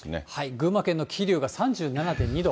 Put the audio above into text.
群馬県の桐生が３７．２度。